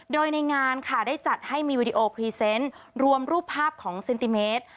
โดยในงานค่ะได้จัดให้มีวิดีโอพรีเซนต์รวมรูปภาพของเซนติเมตร